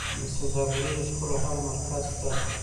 د سوداګریزو شخړو حل مرکز شته؟